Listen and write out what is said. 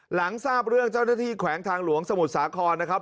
หลังทราบเรื่องเจ้าหน้าที่แขวงทางหลวงสมุทรสาครนะครับ